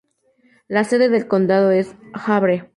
La sede del condado es Havre.